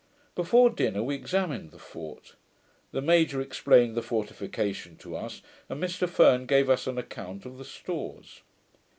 Before dinner we examined the fort. The Major explained the fortification to us, and Mr Ferne gave us an account of the stores.